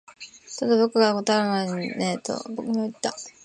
ただ、僕が答える前にねえと君は言った